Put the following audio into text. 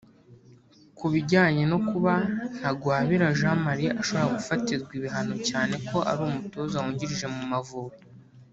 Ku bijyanye no kuba Ntagwabira Jean Marie ashobora gufatirwa ibihano cyane ko ari umutoza wungirije mu Mavubi